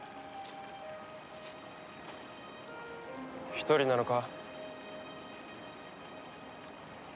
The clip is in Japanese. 一人なのか？